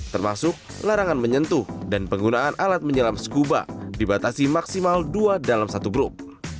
termasuk larangan menyentuh dan penggunaan alat menyelam skuba dibatasi maksimal dua dalam satu grup